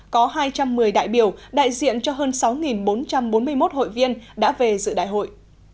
có hai trăm một mươi đại biểu đại diện cho hơn sáu bốn trăm bốn mươi một hội viên đã về dự đại hội